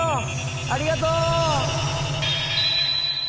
ありがとう！